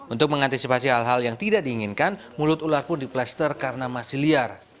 untuk mengantisipasi hal hal yang tidak diinginkan mulut ular pun diplaster karena masih liar